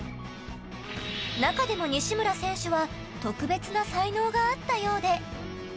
中でも西村選手は特別な才能があったようで。